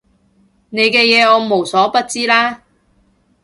你嘅嘢我無所不知啦